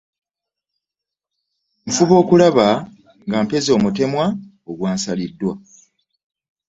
Nfuba okulaba nga mpeza omutemwa ogwansaliddwa .